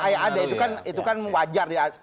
ya ada itu kan wajar